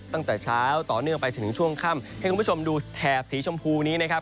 ตั้งแต่เช้าต่อเนื่องไปจนถึงช่วงค่ำให้คุณผู้ชมดูแถบสีชมพูนี้นะครับ